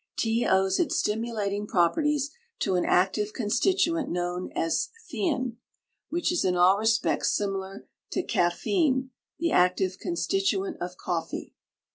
Tea owes its stimulating properties to an active constituent known as thein, which is in all respects similar to caffein, the active constituent of coffee.